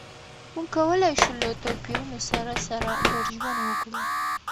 موږ کولای شو له توپیرونو سره سره ګډ ژوند وکړو.